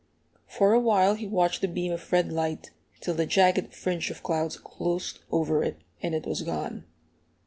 For a while he watched the beam of red light, till the jagged fringe of clouds closed over it, and it was gone.